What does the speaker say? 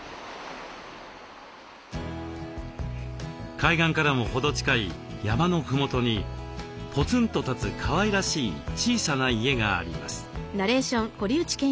海岸からも程近い山のふもとにぽつんと立つかわいらしい小さな家があります。